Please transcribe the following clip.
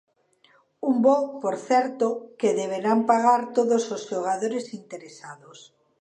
Un voo, por certo, que deberán pagar todos os xogadores interesados.